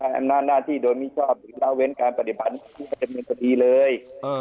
แทนอำนาจหน้าที่โดยมิชชอบหรือเล่าเว้นการปฏิบัติที่สำเนินคดีเลย